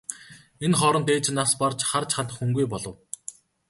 Энэ хооронд ээж нь нас барж харж хандах хүнгүй болов.